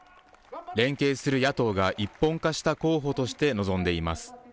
連携する野党が一本化した候補として臨んでいます。